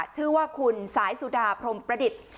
ชื่อว่าคุณสายสุดาพรมประดิษฐ์